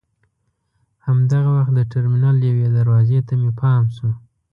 همدغه وخت د ټرمینل یوې دروازې ته مې پام شو.